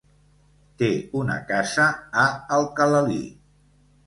Té una casa a Alcalalí.